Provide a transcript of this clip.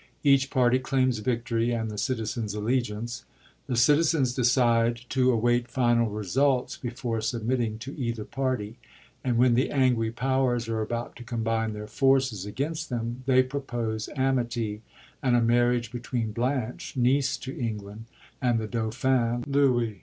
Each party claims victory and the citizens' allegiance. The citizens decide to await final results before submitting to either party, and when the angry powers are about to combine their forces against them, they propose amity and a marriage between Blanch, niece to England, and the Dauphin Lewis.